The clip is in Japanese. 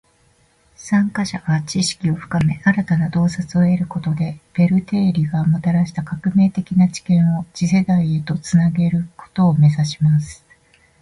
参加者が知識を深め，新たな洞察を得ることで，ベル定理がもたらした革命的な知見を次世代へと繋げることを目指します．